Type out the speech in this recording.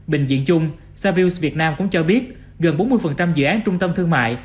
bình diện chung savills việt nam cũng cho biết gần bốn mươi dự án trung tâm thương mại